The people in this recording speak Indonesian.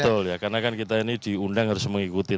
betul ya karena kan kita ini diundang harus mengikuti